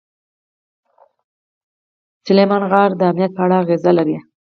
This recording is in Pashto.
سلیمان غر د امنیت په اړه اغېز لري.